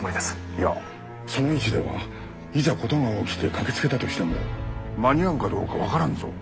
いやその位置ではいざ事が起きて駆けつけたとしても間に合うかどうか分からぬぞ。